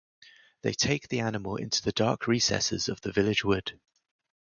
They take the animal into the dark recesses of the village wood.